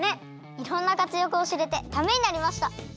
いろんなかつやくをしれてためになりました！